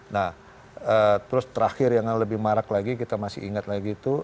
nah terus terakhir yang lebih marak lagi kita masih ingat lagi itu